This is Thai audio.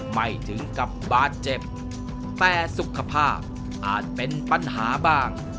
ไม่ถึงกับบาดเจ็บแต่สุขภาพอาจเป็นปัญหาบ้าง